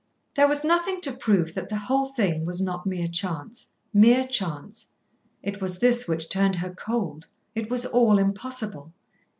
There was nothing to prove that the whole thing was not mere chance, mere chance. It was this which turned her cold. It was all impossible.